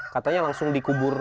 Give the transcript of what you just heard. katanya langsung dikubur